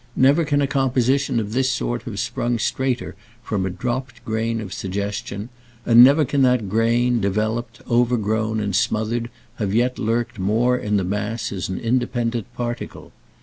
Never can a composition of this sort have sprung straighter from a dropped grain of suggestion, and never can that grain, developed, overgrown and smothered, have yet lurked more in the mass as an independent particle.